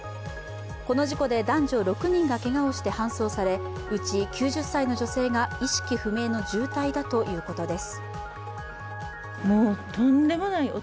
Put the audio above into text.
この事故で男女６人がけがをして搬送され、うち９０歳の女性が意識不明の重体だということです。